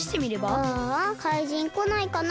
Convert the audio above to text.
ああかいじんこないかな。